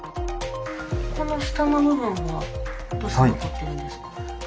この下の部分はどうして残ってるんですか？